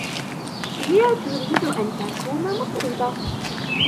هي تريد أن تكون مطربة.